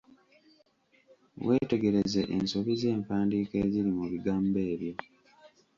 Weetegereze ensobi z'empandiika eziri mu bigambo ebyo.